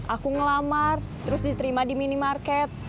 aku ngelamar terus diterima di minimarket